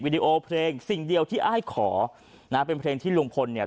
ดีโอเพลงสิ่งเดียวที่อ้ายขอนะเป็นเพลงที่ลุงพลเนี่ย